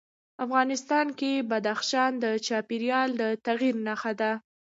افغانستان کې بدخشان د چاپېریال د تغیر نښه ده.